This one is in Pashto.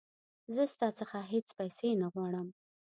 زه ستا څخه هیڅ پیسې نه غواړم.